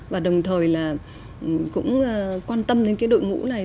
và đồng thời là cũng quan tâm đến cái đội ngũ này